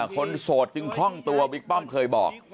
โสดจึงคล่องตัวบิ๊กป้อมเคยบอก